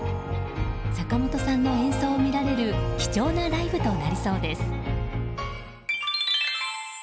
坂本さんの演奏を見られる貴重なライブとなりそうです。